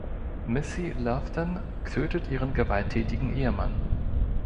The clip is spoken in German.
Missy Lofton tötet ihren gewalttätigen Ehemann.